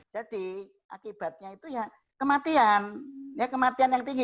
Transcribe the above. jadi akibatnya itu ya kematian ya kematian yang tinggi